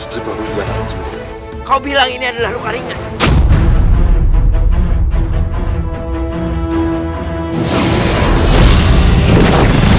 kau bilang ini adalah luka ringan